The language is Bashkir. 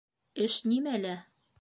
Эш нимәлә?